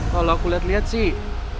kalau aku liat liat sih